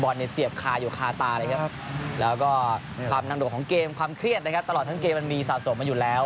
เนี่ยเสียบคาอยู่คาตาเลยครับแล้วก็ความนางดวงของเกมความเครียดนะครับตลอดทั้งเกมมันมีสะสมมาอยู่แล้ว